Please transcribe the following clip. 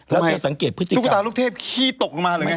แล้วเธอสังเกตพฤติกรรมตุ๊กตาลูกเทพขี้ตกลงมาหรือไง